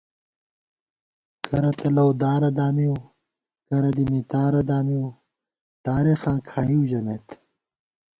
کرہ تہ لؤدارہ دامِؤ کرہ دی مِتارہ دامِؤ ، تارېخاں کھائیؤ ژمېت